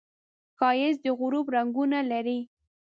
ښایست د غروب رنګونه لري